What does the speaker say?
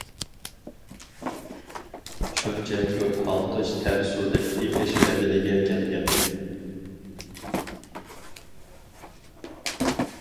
شۇنچە كۆپ ھالقىش تەر سۇدەك ئېقىش بەدىلىگە كەلگەن.